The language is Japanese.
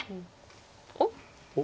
おっ？